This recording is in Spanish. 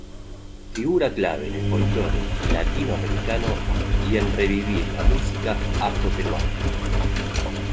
Figura clave en el folklore latinoamericano y en revivir la música afroperuana.